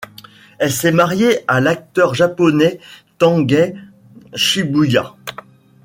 Elle s'est mariée à l'acteur japonais Tengai Shibuya.